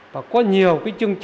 và có nhiều